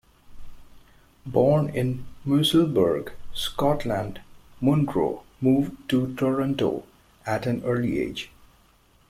Born in Musselburgh, Scotland, Munro moved to Toronto at an early age.